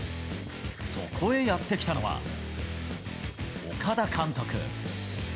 そこへやって来たのは、岡田監督。